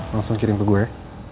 langsung kirim ke gue